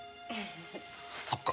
そっか。